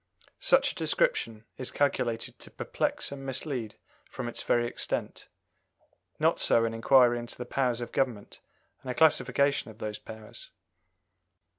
Such a description is calculated to perplex and mislead from its very extent; not so an inquiry into the powers of government, and a classification of those powers.